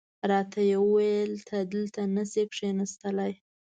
راته یې وویل ته دلته نه شې کېناستلای.